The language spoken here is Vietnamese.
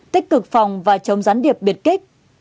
tích cực phòng và chống gián điệp biệt kích